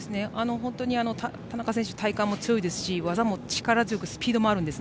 本当に田中選手体幹も強いですし技も力強くスピードもあるんです。